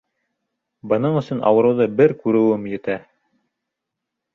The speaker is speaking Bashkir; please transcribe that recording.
Бының өсөн ауырыуҙы бер кү-реүем етә.